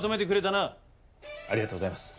ありがとうございます。